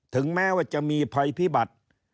ถึงแม้ว่าจะมีภัยพิบัติ